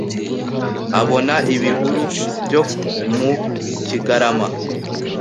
abona ibihuru byo mu kigarama